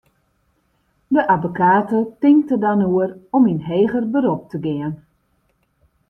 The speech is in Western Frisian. De abbekate tinkt der dan oer om yn heger berop te gean.